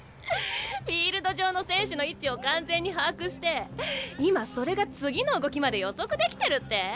フィールド上の選手の位置を完全に把握して今それが次の動きまで予測できてるって？